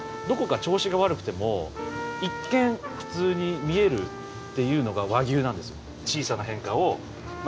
どこか調子が悪くても一見普通に見えるっていうのが和牛なんですよ。